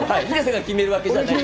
俺が決めるわけじゃないんだ。